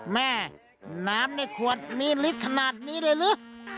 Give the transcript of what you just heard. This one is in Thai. แม่น้ำในขวดมีลิตรขนาดนี้เลยหรือ